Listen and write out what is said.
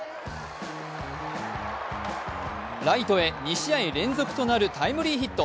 ライトへ２試合連続となるタイムリーヒット。